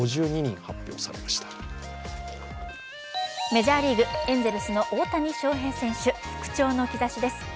メジャーリーグ、エンゼルスの大谷翔平選手、復調の兆しです。